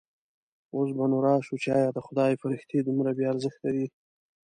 اوس به نو راشو چې ایا د خدای فرښتې دومره بې ارزښته دي.